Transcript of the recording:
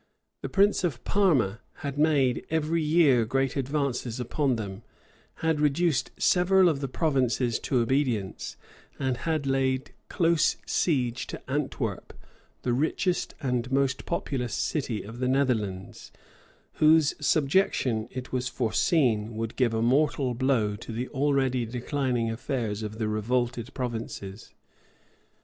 The prince of Parma had made, every year great advances upon them, had reduced several of the provinces to obedience, and had laid close siege to Antwerp, the richest and most populous city of the Netherlands, whose subjection, it was foreseen, would give a mortal blow to the already declining affairs of the revolted provinces.